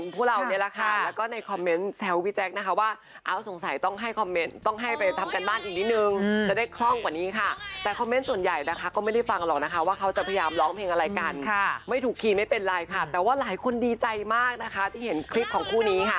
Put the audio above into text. เพราะว่าเพื่อนเพื่อนส่วนใหญ่นะคะก็ไม่ได้ฟังหรอกนะคะว่าเขาจะพยายามร้องเพลงอะไรกันค่ะไม่ถูกคีย์ไม่เป็นไรค่ะแต่ว่าหลายคนดีใจมากนะคะที่เห็นคลิปของคู่นี้ค่ะ